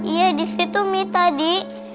iya disitu mi tadi